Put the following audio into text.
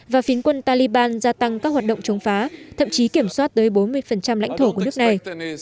và phiến quân taliban gia tăng các hoạt động chống phá thậm chí kiểm soát tới bốn mươi lãnh thổ của nước này